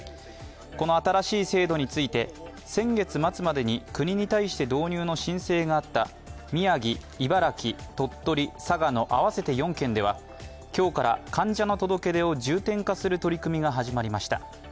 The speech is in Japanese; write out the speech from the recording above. この新しい制度について先月末までに国に対して導入の申請があった宮城、茨城、鳥取、佐賀の合わせて４県では今日から患者の届け出を重点化する取り組みが始まりました。